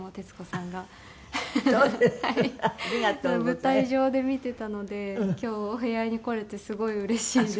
舞台上で見ていたので今日お部屋に来れてすごいうれしいです。